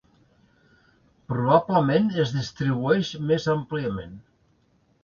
Probablement es distribueix més àmpliament.